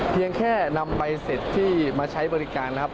เพียงแค่นำใบเสร็จที่มาใช้บริการนะครับ